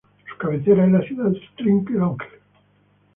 Su cabecera es la ciudad de Trenque Lauquen.